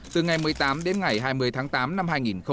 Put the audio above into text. từ ngày một mươi tám đến ngày hai mươi tháng tám năm hai nghìn một mươi chín